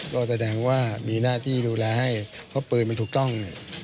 ก็แสดงว่ามีหน้าที่ดูแลให้เพราะปืนมันถูกต้อง